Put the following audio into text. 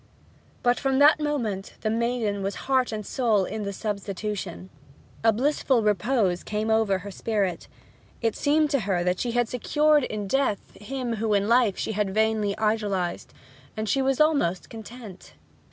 But from that moment the maiden was heart and soul in the substitution. A blissful repose came over her spirit. It seemed to her that she had secured in death him whom in life she had vainly idolized; and she was almost content.